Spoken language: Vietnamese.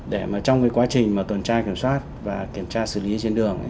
để mà trong cái quá trình mà tuần tra kiểm soát và kiểm tra xử lý trên đường